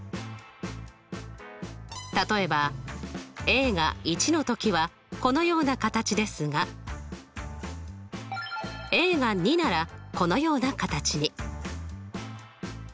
例えばが１の時はこのような形ですがが２ならこのような形に。